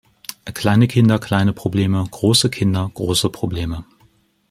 Kleine Kinder - kleine Probleme, große Kinder - große Probleme.